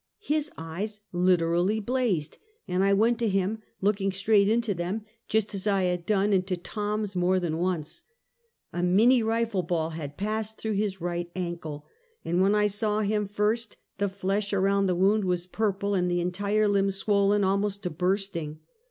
His eyes literally blazed, and I went to him, looking straight into them, just as I had done into Tom's more than once. A minnie rifle ball had passed through his right ankle, and when I saw him first the flesh around the wound was purple and the entire limb swollen al most to bursting.